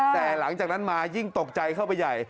แต่หลังจากนั้นมายิ่งตกใจเข้าไปใหญ่